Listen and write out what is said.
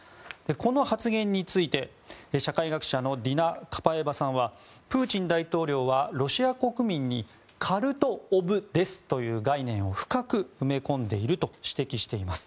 この発言について、社会学者のディナ・カパエバさんはプーチン大統領はロシア国民にカルト・オブ・デスという概念を深く埋め込んでいると指摘しています。